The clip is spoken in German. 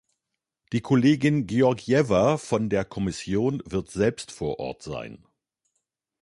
Die Kollegin Georgieva von der Kommission wird selbst vor Ort sein.